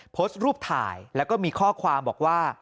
โพสต์รูปถ่ายแล้วก็มีข้อความบอกว่า